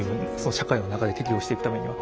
社会の中で適応していくためには。